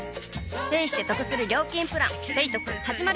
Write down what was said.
ペイしてトクする料金プラン「ペイトク」始まる！